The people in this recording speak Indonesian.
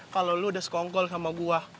kalau lo udah sekongkol sama buah